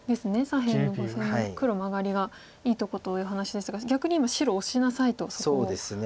左辺の５線黒マガリがいいとこという話でしたが逆に今白オシなさいとそこを。